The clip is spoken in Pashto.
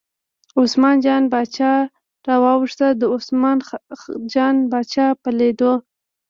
عثمان جان باچا راواوښت، د عثمان جان باچا په لیدو.